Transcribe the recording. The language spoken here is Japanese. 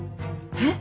えっ？